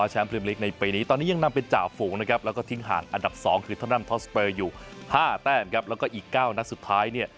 อยู่๕แต่งครับแล้วก็อีก๙นักสุดท้ายเนี่ย